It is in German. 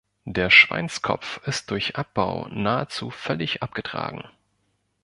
Der Schweinskopf ist durch Abbau nahezu völlig abgetragen.